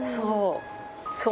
そう。